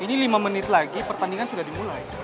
ini lima menit lagi pertandingan sudah dimulai